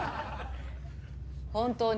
本当に？